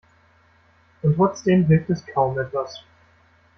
Und trotzdem hilft es kaum etwas.